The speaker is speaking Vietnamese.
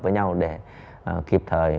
với nhau để kịp thời